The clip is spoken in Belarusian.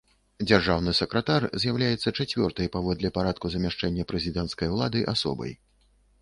Дзяржаўны сакратар з'яўляецца чацвёртай паводле парадку замяшчэння прэзідэнцкай улады асобай.